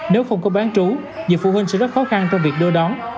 nếu không có bán trú thì phụ huynh sẽ rất khó khăn trong việc đưa đó